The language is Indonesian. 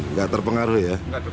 tidak terpengaruh ya